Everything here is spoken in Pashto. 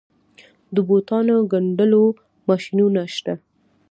د بوټانو ګنډلو ماشینونه شته